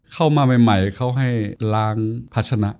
เข้ามาใหม่เขาให้ล้างพัชนะ